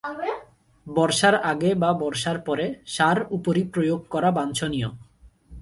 বর্ষার আগে বা বর্ষার পরে সার উপরি প্রয়োগ করা বাঞ্ছনীয়।